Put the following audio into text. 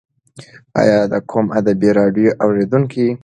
ایا ته د کوم ادبي راډیو اورېدونکی یې؟